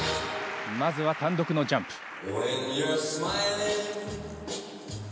まずは単独のジャンプ。